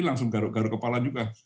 langsung garuk garuk kepala juga